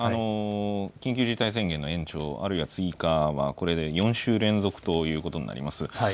緊急事態宣言の延長、あるいは追加は、これで４週連続ということになります。